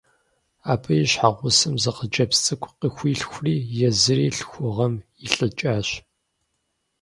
Абы и щхьэгъусэм зы хъыджэбз цӀыкӀу къыхуилъхури езыри лъхугъэм илӀыкӀащ.